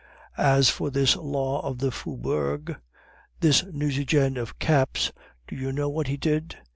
As for this Law of the Faubourg, this Nucingen of caps, do you know what he did?